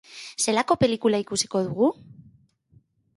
Zelako pelikula ikusiko dugu?